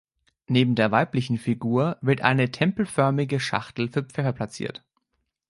Neben der weiblichen Figur wird eine tempelförmige Schachtel für Pfeffer platziert.